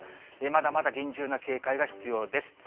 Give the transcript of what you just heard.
まだまだ厳重な警戒が必要です。